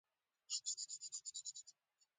مرغۍ پورته وخته.